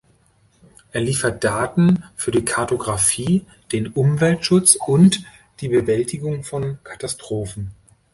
Er liefert Daten für die Kartografie, den Umweltschutz und die Bewältigung von Katastrophen.